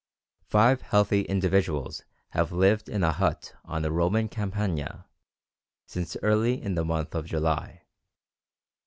Five healthy individuals have lived in a hut on the Roman Campagna since early in the month of July.